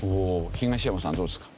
東山さんどうですか？